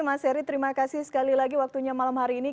mas heri terima kasih sekali lagi waktunya malam hari ini